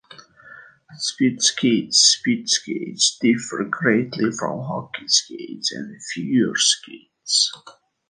Speed skates Speed skates differ greatly from hockey skates and figure skates.